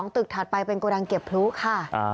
ตึกถัดไปเป็นโกดังเก็บพลุค่ะ